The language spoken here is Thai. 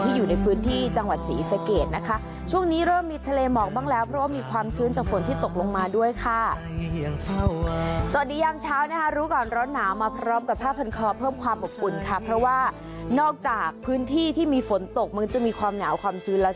ที่อยู่ในพื้นที่จังหวัดสีเสร็จนะคะ